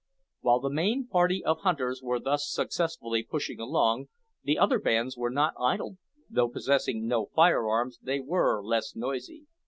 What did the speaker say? While the main party of hunters were thus successfully pushing along, the other bands were not idle, though, possessing no fire arms, they were less noisy.